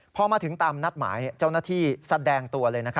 พอมาถึงตามนัดหมายเจ้าหน้าที่แสดงตัวเลย